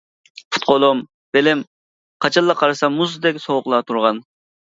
پۇت-قولۇم، بىلىم قاچانلا قارىسا مۇزدەك سوغۇقلا تۇرغان.